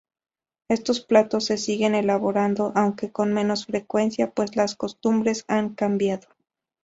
Estos platos se siguen elaborando aunque con menos frecuencia, pues las costumbres han cambiado.